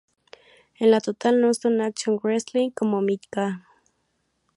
En la "Total Nonstop Action Wrestling" como Micah.